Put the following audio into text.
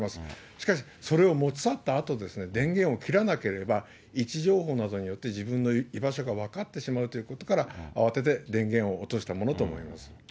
しかし、それを持ち去ったあと、電源が切らなければ、位置情報などによって自分の居場所が分かってしまうということから、慌てて電源を落としたものと思われます。